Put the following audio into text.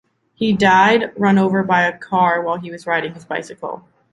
He died run over by a car while he was riding his bicycle.